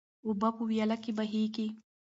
اوبه په ویاله کې بهیږي.